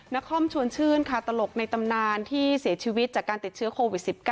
นครชวนชื่นค่ะตลกในตำนานที่เสียชีวิตจากการติดเชื้อโควิด๑๙